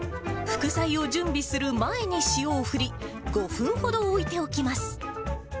副菜を準備する前に塩を振り、５分ほど置いておきます。